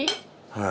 はい。